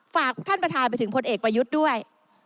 ฝากท่านประธานไปถึงพลเอกประยุทธ์ด้วย